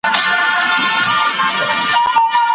کله چې ګټه بیا پانګونه شي وده کوي.